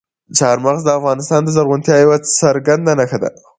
چار مغز د افغانستان د زرغونتیا یوه څرګنده نښه ده.